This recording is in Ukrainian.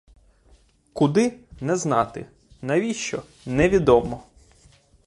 Куди — не знати, навіщо — невідомо.